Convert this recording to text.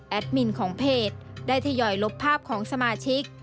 มินของเพจได้ทยอยลบภาพของสมาชิก